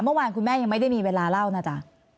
เมื่อวานคุณแม่ยังไม่ได้มีเวลาเล่านะจ๊ะ